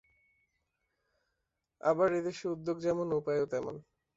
আবার এ দেশে উদ্যোগ যেমন, উপায়ও তেমন।